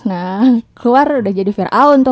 nah keluar udah jadi viraun tuh